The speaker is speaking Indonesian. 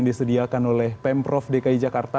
disediakan oleh pemprov dki jakarta